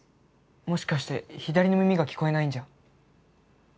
もしかして左の耳が聞こえないんじゃ？